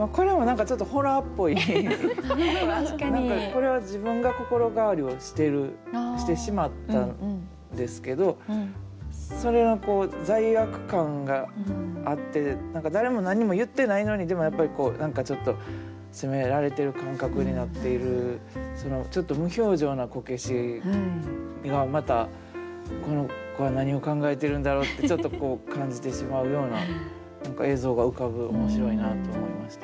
これは自分が心変わりをしているしてしまったんですけどそれがこう罪悪感があって誰も何も言ってないのにでもやっぱりこう何かちょっと責められてる感覚になっているちょっと無表情なこけしがまたこの子は何を考えてるんだろうってちょっとこう感じてしまうような映像が浮かぶ面白いなと思いました。